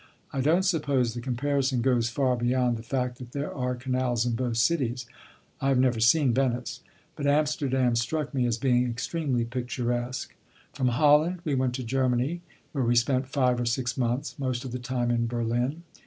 I don't suppose the comparison goes far beyond the fact that there are canals in both cities I have never seen Venice but Amsterdam struck me as being extremely picturesque. From Holland we went to Germany, where we spent five or six months, most of the time in Berlin.